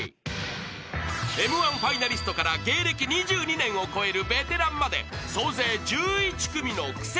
［Ｍ−１ファイナリストから芸歴２２年を超えるベテランまで］